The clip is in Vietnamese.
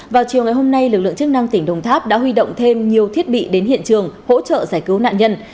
vào chiều ngày hôm nay lực lượng chức năng tỉnh đồng tháp đã huy động thêm nhiều thiết bị đến hiện trường hỗ trợ giải cứu nạn nhân